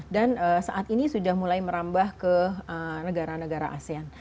dan saat ini sudah mulai merambah ke negara negara asean